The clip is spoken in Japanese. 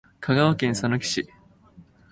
香川県さぬき市